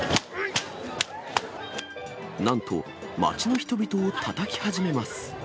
なんと、街の人々をたたき始めます。